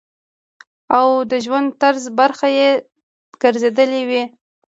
او د ژوند د طرز برخه ئې ګرځېدلي وي -